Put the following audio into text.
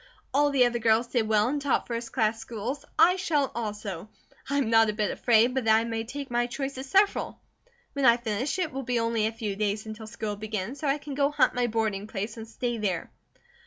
All the other girls did well and taught first class schools, I shall also. I am not a bit afraid but that I may take my choice of several. When I finish it will be only a few days until school begins, so I can go hunt my boarding place and stay there."